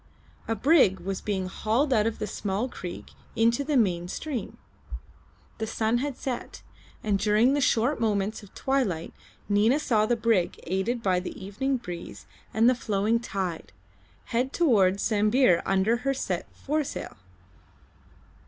A brig was being hauled out of the small creek into the main stream. The sun had set, and during the short moments of twilight Nina saw the brig, aided by the evening breeze and the flowing tide, head towards Sambir under her set foresail.